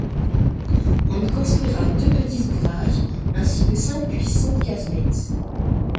On y construira deux petits ouvrages ainsi que cinq puissantes casemates.